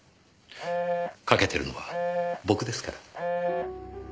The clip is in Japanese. かけてるのは僕ですから。